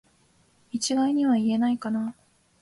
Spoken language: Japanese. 一概には言えないかな